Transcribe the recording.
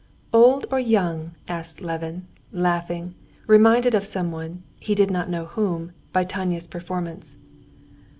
"Old or young?" asked Levin, laughing, reminded of someone, he did not know whom, by Tanya's performance.